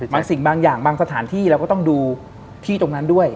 บางสิ่งบางอย่างบางสถานที่เราก็ต้องดูที่ตรงนั้นด้วย